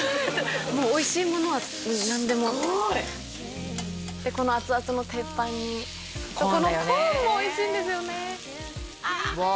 おいしいものは何でもすごいでこの熱々の鉄板にこのコーンもおいしいんですよねわあ